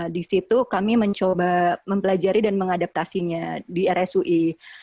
di situ kami mencoba mempelajari dan mengadaptasinya di rsui